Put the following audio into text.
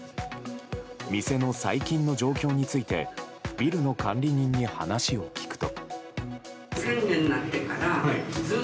店の最近の状況についてビルの管理人に話を聞くと。